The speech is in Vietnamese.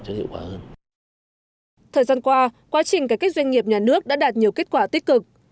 thời gian qua quá trình cải cách doanh nghiệp nhà nước đã đạt nhiều kết quả tích cực